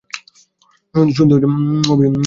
শুনতে অবিশ্বাস্য লাগছে!